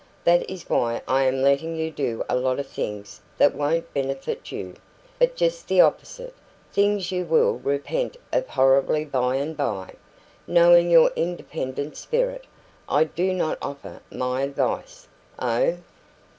That is why I am letting you do a lot of things that won't benefit you, but just the opposite things you will repent of horribly by and by. Knowing your independent spirit, I do not offer my advice " "Oh!"